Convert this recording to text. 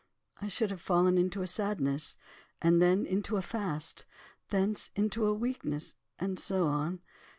—I should have 'fallen into a sadness, then into a fast, thence into a weakness,' and so on.